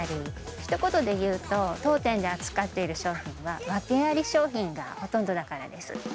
ひと言で言うと、当店で扱っている商品は、訳あり商品がほとんどだからです。